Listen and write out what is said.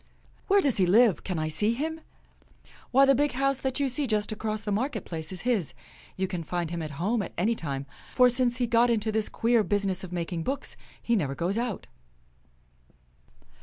" Where does he live .? Can I see him .?" THE FIRST PRINTER 43 " Why, the big house that you see just across the market place is his. You can find him at home at any time ; for, since he got into this queer busi ness of making books, he never goes out."